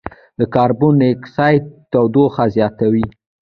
د کاربن ډای اکسایډ تودوخه زیاتوي.